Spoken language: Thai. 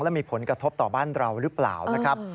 และมีผลกระทบต่อบ้านเราหรือเปล่านะครับ